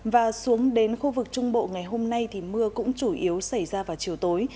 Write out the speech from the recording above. và xuống đến khu vực trung bộ ngày hôm nay thì mưa cũng chủ yếu xảy ra vào chiều tối